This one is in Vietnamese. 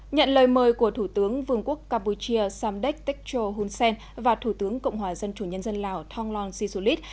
nhận lời mời của thủ tướng vương quốc campuchia samdek tekcho hunsen và thủ tướng cộng hòa dân chủ nhân dân lào thonglong sisulit